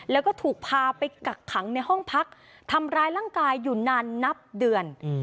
แล้วก็ถูกพาไปกักขังในห้องพักทำร้ายร่างกายอยู่นานนับเดือน